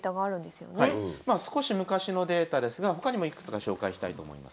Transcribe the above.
まあ少し昔のデータですが他にもいくつか紹介したいと思います。